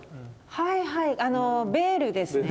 はいはいベールですね。